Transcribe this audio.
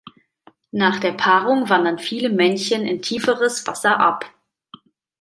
Nach der Paarung wandern viele Männchen in tieferes Wasser ab.